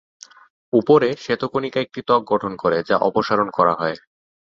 উপরে, শ্বেতকণিকা একটি ত্বক গঠন করে, যা অপসারণ করা হয়।